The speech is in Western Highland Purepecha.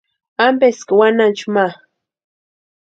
¿Ampeski wanhancha ma?